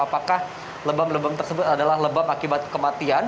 apakah lebam lebam tersebut adalah lebam akibat kematian